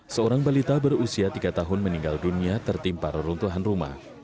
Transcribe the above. seorang balita berusia tiga tahun meninggal dunia tertimpa reruntuhan rumah